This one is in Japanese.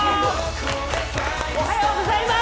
おはようございます。